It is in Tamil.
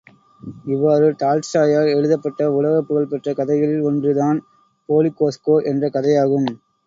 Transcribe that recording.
இவ்வாறு டால்ஸ்டாயால் எழுதப் பட்ட உலகப் புகழ் பெற்ற கதைகளில் ஒன்று தான் போலிகோஷ்கா என்ற கதையாகும்.